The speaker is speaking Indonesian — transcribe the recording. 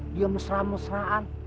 dia musra musraan